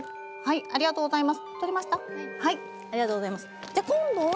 ありがとうございます。